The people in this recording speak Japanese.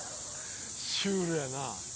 シュールやな。